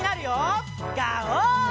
ガオー！